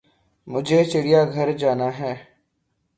مجھے چڑیا گھر جانا ہے